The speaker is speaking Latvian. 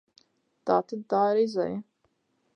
Tātad tā ir izeja.